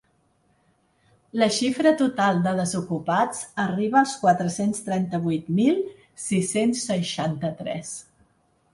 La xifra total de desocupats arriba als quatre-cents trenta-vuit mil sis-cents seixanta-tres.